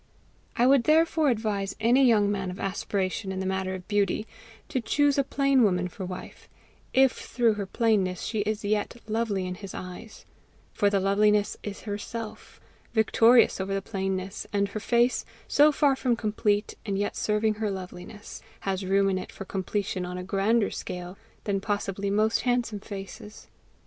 I would therefore advise any young man of aspiration in the matter of beauty, to choose a plain woman for wife IF THROUGH HER PLAINNESS SHE IS YET LOVELY IN HIS EYES; for the loveliness is herself, victorious over the plainness, and her face, so far from complete and yet serving her loveliness, has in it room for completion on a grander scale than possibly most handsome faces.